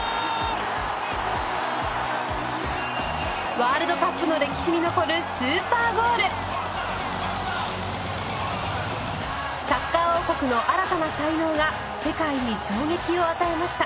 ワールドカップの歴史に残るサッカー王国の新たな才能が世界に衝撃を与えました。